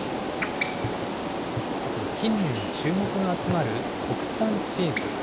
さて近年、注目の集まる国産チーズ。